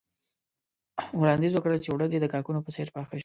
وړانديز وکړ چې اوړه دې د کاکونو په څېر پاخه شي.